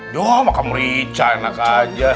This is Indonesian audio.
duh makan merica enak aja